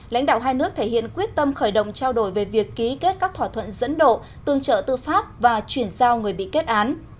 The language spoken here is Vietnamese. lãnh đạo hai nước thể hiện quyết tâm khởi động trao đổi về việc ký kết các thỏa thuận dẫn độ tương trợ tư pháp và chuyển giao người bị kết án